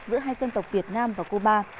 giữa hai dân tộc việt nam và cuba